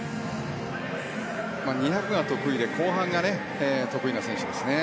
２００が得意で後半が得意な選手ですね。